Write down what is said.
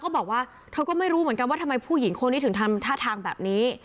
บอกว่าเธอก็ไม่รู้เหมือนกันว่าทำไมผู้หญิงคนนี้ถึงทำท่าทางแบบนี้